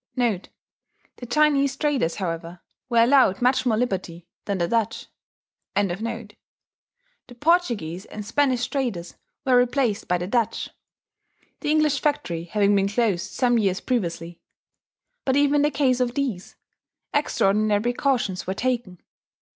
* [*The Chinese traders, however, were allowed much more liberty than the Dutch.] The Portuguese and Spanish traders were replaced by the Dutch (the English factory having been closed some years previously); but even in the case of these, extraordinary precautions were taken.